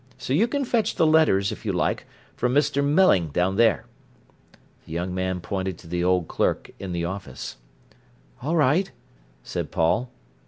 So you can fetch the letters, if you like, from Mr. Melling down there." The young man pointed to the old clerk in the office. "All right," said Paul.